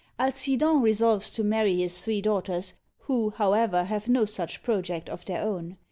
Alcidon resolves to marry his three daughters, who, however, have no such project of their own.